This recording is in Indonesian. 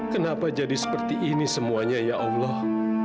kenapa jadi seperti ini semuanya ya allah